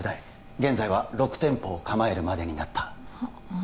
現在は６店舗を構えるまでになったま